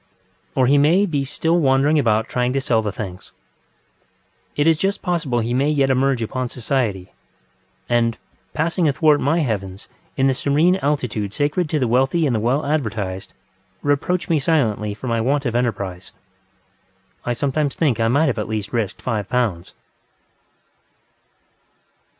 Or he may be still wandering about trying to sell the things. It is just possible he may yet emerge upon society, and, passing athwart my heavens in the serene altitude sacred to the wealthy and the well advertised, reproach me silently for my want of enterprise. I sometimes think I might at least have risked five pounds.